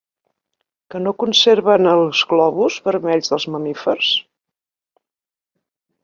Què no conserven els glòbuls vermells dels mamífers?